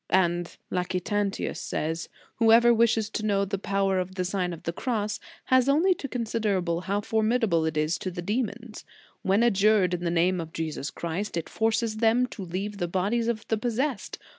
"J And Lactantius says: "Whoever wishes to know the power of the Sign of the Cross, has only to consider how formidable it is to the demons. When adjured in the name of Jesus Christ, it forces them to leave the bodies of the possessed.